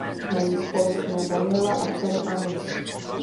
Mají spolu syna Daniela a dceru Annu.